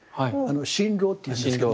「身廊」って言うんですけど。